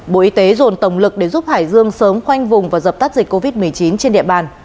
bộ y tế dồn tổng lực để giúp hải dương sớm khoanh vùng và dập tắt dịch covid một mươi chín trên địa bàn